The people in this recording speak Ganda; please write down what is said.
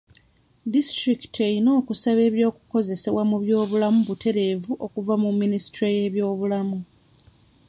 Disitulikiti erina okusaba ebikozesebwa mu by'obulamu butereevu okuva mu minisitule y'ebyobulamu.